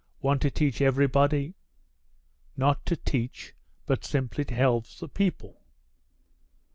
Want to teach everybody." "Not to teach but simply to help the people."